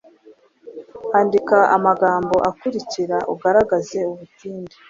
Andika amagambo akurikira ugaragaza ubutinde